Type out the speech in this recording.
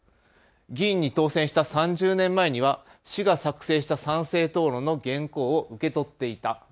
議員に当選した３０年前には市が作成した賛成討論の原稿を受け取っていた。